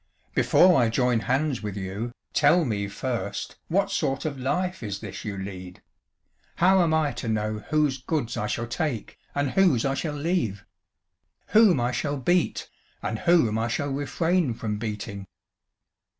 "Before I join hands with you, tell me first what sort of life is this you lead? How am I to know whose goods I shall take, and whose I shall leave? Whom I shall beat, and whom I shall refrain from beating?"